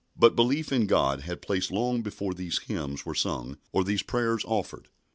But belief in God had place long before these hymns were sung or these prayers offered.